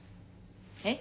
えっ？